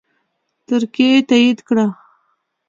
ترکیې تایید کړه